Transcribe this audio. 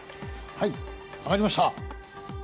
はい上がりました。